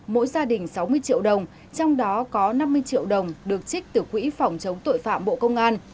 mỗi gia đình sáu mươi triệu đồng trong đó có năm mươi triệu đồng được trích từ quỹ phòng chống tội phạm bộ công an